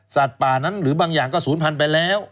ป่านั้นหรือบางอย่างก็ศูนย์พันธุ์ไปแล้ว